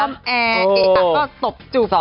แล้วดีตาก็ถูก